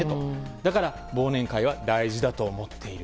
だから忘年会は大事だと思っている。